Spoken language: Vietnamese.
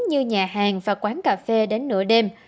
như nhà hàng và quán cà phê đến nửa đêm